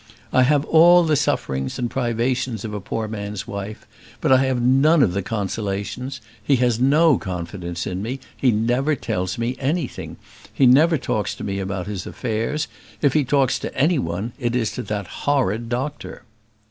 "I have all the sufferings and privations of a poor man's wife, but I have none of the consolations. He has no confidence in me; he never tells me anything; he never talks to me about his affairs. If he talks to any one it is to that horrid doctor."